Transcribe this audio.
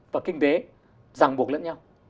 và kinh tế giảng bục lẫn nhau